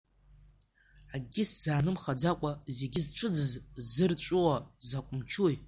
Акгьы ззаанымхаӡакәа зегьы зцәыӡыз зырҵәуо закә мчуи?